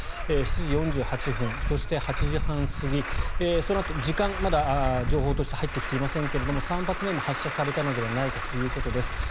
７時４８分そして８時半過ぎ、そのあと時間はまだ情報として入ってきていませんが３発目も発射されたのではないかということです。